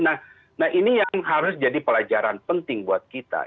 nah ini yang harus jadi pelajaran penting buat kita